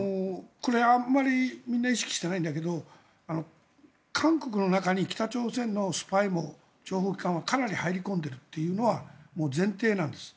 これはあまりみんな意識していないんだけど韓国の中に北朝鮮のスパイも諜報機関もかなり入り込んでいるというのは前提なんです。